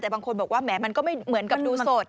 แต่บางคนบอกว่าแหมมันก็ไม่เหมือนกับดูสด